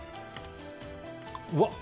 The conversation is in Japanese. うわっ！